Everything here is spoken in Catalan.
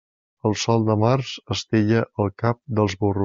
El sol de març estella el cap dels burros.